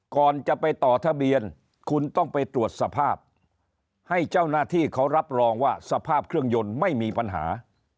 ก่อนจะไปต่อทะเบียนคุณต้องไปตรวจสภาพให้เจ้าหน้าที่เขารับรองว่าสภาพเครื่องยนต์ไม่มีปัญหา